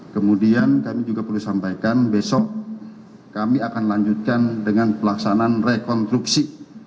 kemudian kami juga perlu sampaikan besok kami akan lanjutkan dengan pelaksanaan rekonstruksi